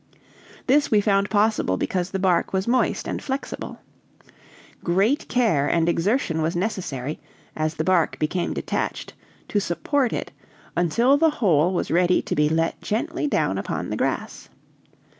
This we found possible, because the bark was moist and flexible. Great care and exertion was necessary, as the bark became detached, to support it, until the whole was ready to be let gently down upon the grass.